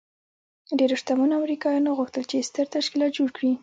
ډېرو شتمنو امریکایانو غوښتل چې ستر تشکیلات جوړ کړي